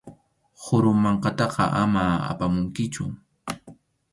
Qhuru mankataqa ama apamunkichu.